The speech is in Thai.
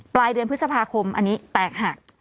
ปลายเดือนพฤษภาคมอันนี้แตกหัก